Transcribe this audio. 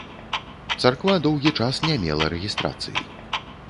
Царква доўгі час не мела рэгістрацыі.